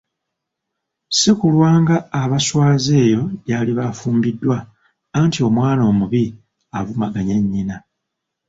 Si kulwanga abaswaza eyo gy'aliba afumbiddwa, anti omwana omubi avumaganya nnyinna.